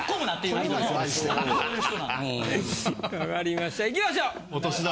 わかりましたいきましょう。